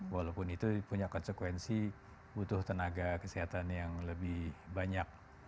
walaupun itu punya konsekuensi butuh tenaga kesehatan yang lebih banyak